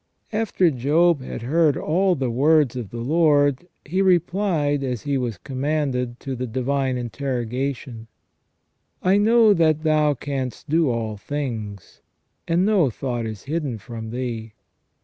After Job had heard all the words of the Lord, he replied, as he was commanded, to the divine interrogation :" I know that Thou canst do all things, and no thought is hidden from Thee.